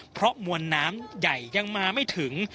เพราะมวลน้ำใหญ่ยังมาไม่ถึง